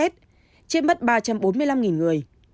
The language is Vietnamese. trên mất ba trăm bốn mươi năm người